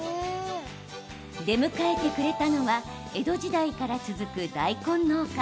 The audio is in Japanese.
出迎えてくれたのは江戸時代から続く大根農家